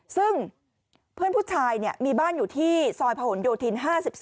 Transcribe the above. ซึ่งเพื่อนผู้ชายเนี่ยมีบ้านอยู่ที่ซอยพะหลโดทิน๕๒